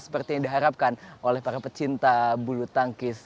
seperti yang diharapkan oleh para pecinta bulu tangkis